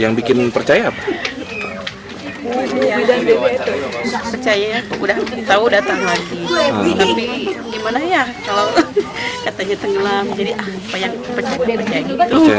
yang bikin percaya apa